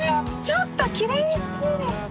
ちょっときれいすぎる！